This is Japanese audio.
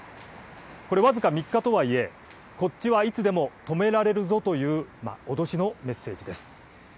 これ僅か３日とはいえ、こっちはいつでも止められるぞという脅しのメッセージです。